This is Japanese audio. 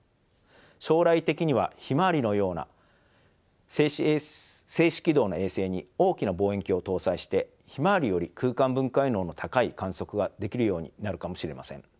将来的にはひまわりのような静止軌道の衛星に大きな望遠鏡を搭載してひまわりより空間分解能の高い観測ができるようになるかもしれません。